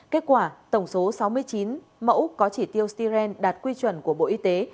kết quả tổng số sáu mươi chín mẫu có chỉ tiêu styren đạt quy chuẩn của bộ y tế